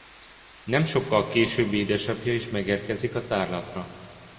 Nem sokkal később édesapja is megérkezik a tárlatra.